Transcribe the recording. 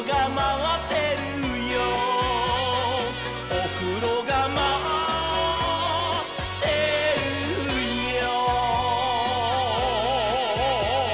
「おふろがまってるよ」